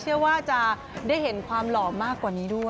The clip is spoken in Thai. เชื่อว่าจะได้เห็นความหล่อมากกว่านี้ด้วย